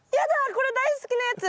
これ大好きなやつ。